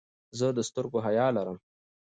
زه د سترګو حیا لرم.